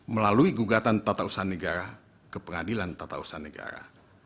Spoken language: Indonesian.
melalui gugatan tata usaha negara ke pengadilan tata usaha negara